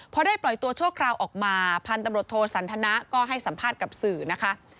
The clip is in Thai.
พอได้ปล่อยตัวชั่วคราวออกมาพันธุ์ตำรวจโทสันทนะก็ให้สัมภาษณ์กับสื่อนะคะ